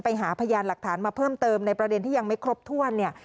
ไปหาพยานหลักฐานมาเพิ่มเติมในประเด็นที่ยังไม่ครบถ้วนเนี่ย